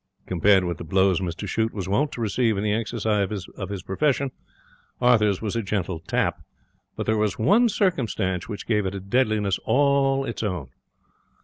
Compared with the blows Mr Shute was wont to receive in the exercise of his profession, Arthur's was a gentle tap. But there was one circumstance which gave it a deadliness all its own.